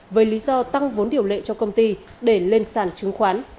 với lý do tăng vốn điều lệ cho công ty để lên sản chứng khoán